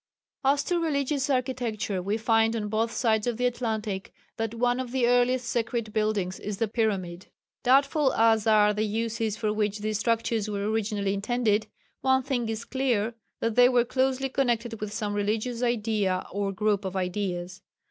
As to religious architecture, we find on both sides of the Atlantic that one of the earliest sacred buildings is the pyramid. Doubtful as are the uses for which these structures were originally intended, one thing is clear, that they were closely connected with some religious idea or group of ideas.